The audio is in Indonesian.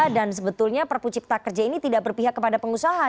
dan sebetulnya perpucipta kerja ini tidak berpihak kepada pengusaha